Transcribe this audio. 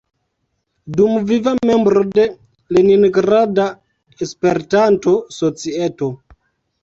Dumviva membro de Leningrada Espertanto-Societo.